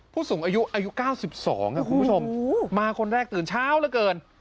ผู้สูงอายุอายุ๙๒คุณผู้ชมมาคนแรกตื่นเช้าเหลือเกิน